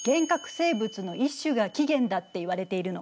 生物の一種が起源だっていわれているの。